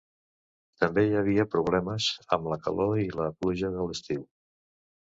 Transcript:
També hi havia problemes amb la calor i la pluja de l'estiu.